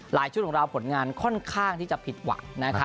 ชุดของเราผลงานค่อนข้างที่จะผิดหวัง